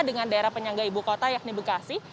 dengan daerah penyangga ibu kota yakni bekasi